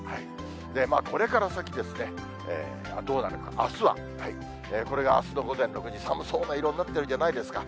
これから先、どうなるか、あすは、これがあすの午前６時、寒そうな色になってるじゃないですか。